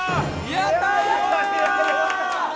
やったー！